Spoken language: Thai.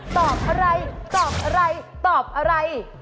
ตอบอะไรตอบอะไรตอบอะไร